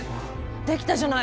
できたじゃない！